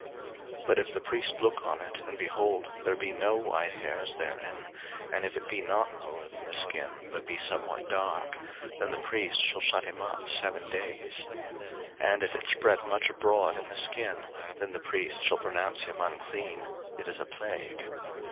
03:013:021 But if the priest look on it, and, behold, there be no white hairs therein, and if it be not lower than the skin, but be somewhat dark; then the priest shall shut him up seven days: 03:013:022 And if it spread much abroad in the skin, then the priest shall pronounce him unclean: it is a plague.